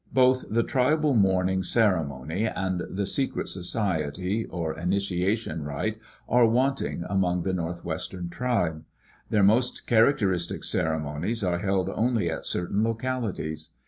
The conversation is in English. Both the tribal mourning ceremony and the secret society or initiation rite are wanting among the northwestern tribes. Their most characteristic ceremonies are held only at certain localities.